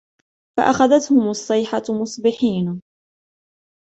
فأخذتهم الصيحة مصبحين